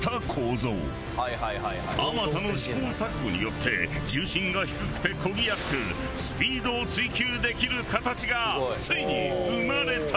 あまたの試行錯誤によって重心が低くて漕ぎやすくスピードを追求できる形がついに生まれた！